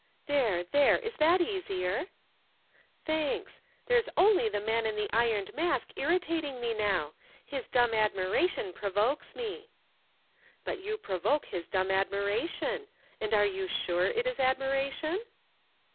"There! There! Is that easier?" "Thanks! There's only the Man in the Ironed Mask irritating me now. His dumb admiration provokes me." "But you provoke his dumb admiration. And are you sure it is admiration?"